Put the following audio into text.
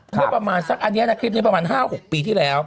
เมื่อประมาณสักอันนี้นะคลิปนี้ประมาณ๕๖ปีที่แล้ว